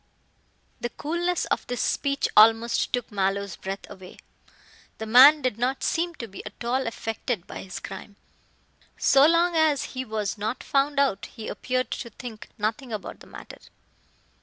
The coolness of this speech almost took Mallow's breath away. The man did not seem to be at all affected by his crime. So long as he was not found out he appeared to think nothing about the matter.